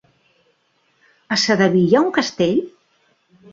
A Sedaví hi ha un castell?